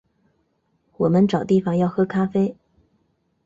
我们找地方要喝咖啡